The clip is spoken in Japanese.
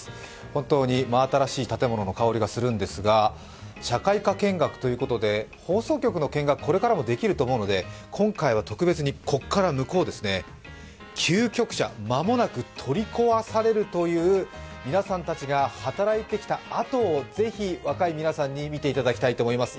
本当に真新しい建物の匂いがしているんですが、社会科見学ということで、放送局の見学はこれからもできると思うので、今回は特別にここから向こう、旧局舎、間もなく取り壊されるという皆さんたちが働いてきた跡をぜひ若い皆さんに見ていただきたいと思います。